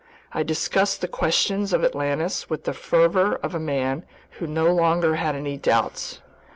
I discussed the question of Atlantis with the fervor of a man who no longer had any doubts.